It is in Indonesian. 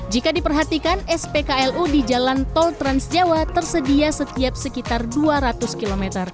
jika diperhatikan spklu di jalan tol transjawa tersedia setiap sekitar dua ratus km